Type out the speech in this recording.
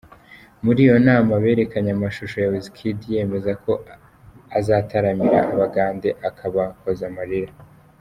Muri iyo nama berekanye amashusho ya Wizkid yemeza ko azataramira abagande akabahoza amarira.